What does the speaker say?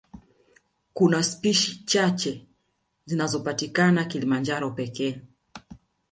Kuna spishi chache zinazopatikana Kilimanjaro pekee